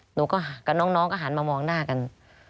หนูกับน้องก็หันมามองหน้ากัน